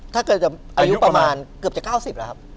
ถ้าเกิดจะอายุประมาณเกือบจะ๙๐แล้วครับ